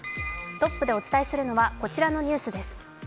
トップでお伝えするのはこちらのニュースです。